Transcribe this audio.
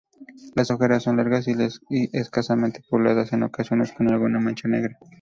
Las orejas son largas y escasamente pobladas, en ocasiones con alguna mancha negra.